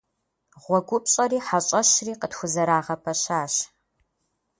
ГъуэгупщӀэри хьэщӀэщри къытхузэрагъэпэщащ.